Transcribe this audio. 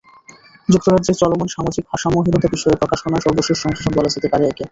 যুক্তরাজ্যে চলমান সামাজিক ভারসাম্যহীনতা বিষয়ে প্রকাশনায় সর্বশেষ সংযোজন বলা যেতে পারে একে।